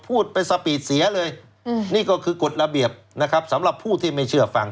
พูดเป็นสปีดเสียเลยนี่ก็คือกฎระเบียบนะครับสำหรับผู้ที่ไม่เชื่อฟัง